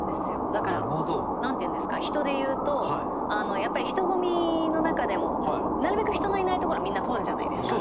だから何て言うんですか人で言うとやっぱり人混みの中でもなるべく人のいないところをみんな通るじゃないですか。